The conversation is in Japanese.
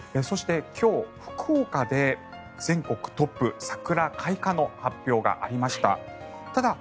そして、今日福岡で全国トップ桜開花の発表がありました。